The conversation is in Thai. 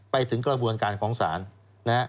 ไปถึงกระบวนการของศาลนะฮะ